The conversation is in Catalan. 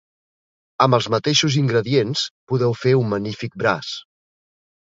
Amb els mateixos ingredients podeu fer un magnífic braç